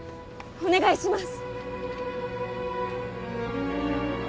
お願いします！